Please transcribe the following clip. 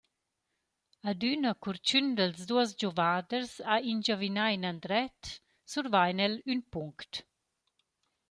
Adüna cur ch’ün dals duos giovaders ha ingiavinà inandret, survain el ün punct.